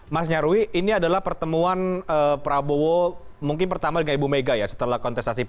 mas nyarwi ini adalah pertemuan prabowo mungkin pertama dengan ibu mega ya setelah kontestasi